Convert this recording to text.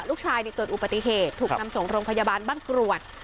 ลูกชายเกิดอุบัติเหตุถูกนำส่งโรงพยาบาลบ้านกรวด